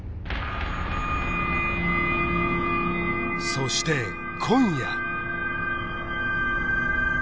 そして今夜